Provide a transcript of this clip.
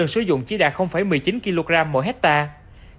sử dụng chỉ đạt một mươi chín kg mỗi hectare